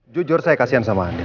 jujur saya kasihan sama andin